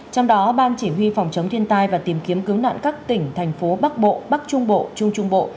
trong đó ban chỉ huy phòng chống thiên tai và tìm kiếm cứu nạn các tỉnh thành phố bắc bộ bắc trung bộ